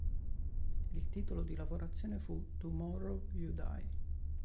Il titolo di lavorazione fu "Tomorrow You Die".